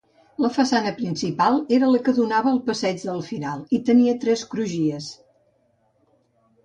La façana principal era la que donava al Passeig del Firal hi tenia tres crugies.